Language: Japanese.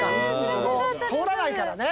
通らないからね。